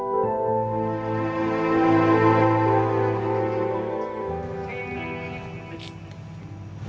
ma kayak suara sobri